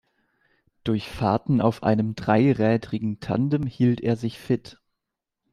Durch Fahrten auf einem dreirädrigen Tandem hielt er sich fit.